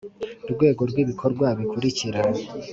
Rwego rw ibikorwa bikurikira